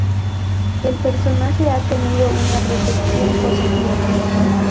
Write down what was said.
El personaje ha tenido una recepción positiva.